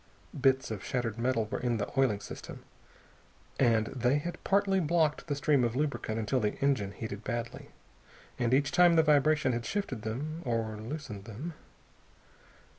Bits of shattered metal were in the oiling system, and they had partly blocked the stream of lubricant until the engine heated badly. And each time the vibration had shifted them, or loosened them....